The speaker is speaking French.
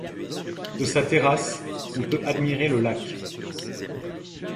De sa terrasse, on peut admirer le lac.